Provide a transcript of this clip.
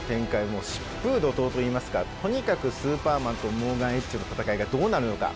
もう疾風怒とうといいますかとにかくスーパーマンとモーガン・エッジの戦いがどうなるのか？